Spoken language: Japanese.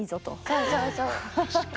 そうそうそう。